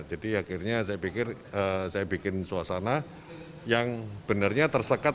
jadi akhirnya saya bikin suasana yang benarnya tersekat